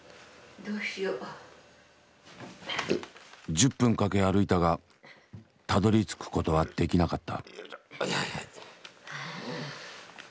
１０分かけ歩いたがたどりつくことはできなかった。